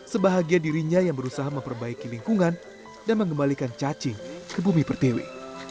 sebahagia dirinya yang berusaha memperbaiki lingkungan dan mengembalikan cacing ke bumi pertiwi